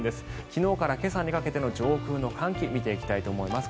昨日から今朝にかけての上空の寒気を見ていきたいと思います。